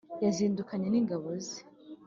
yazindukanye n'ingabo ze